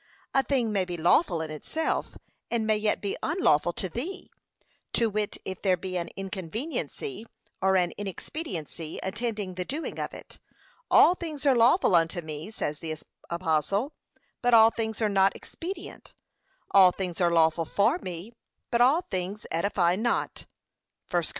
A thing may be lawful in itself, and may yet be unlawful to thee; to wit, if there be an inconveniency, or an inexpediency attending the doing of it. 'All things are lawful unto me,' says the apostle, 'but all things are not expedient; all things are lawful for me, but all things edify not.' (1 Cor.